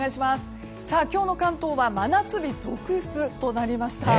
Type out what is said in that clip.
今日の関東は真夏日続出となりました。